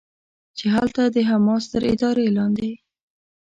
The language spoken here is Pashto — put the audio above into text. چې هلته د حماس تر ادارې لاندې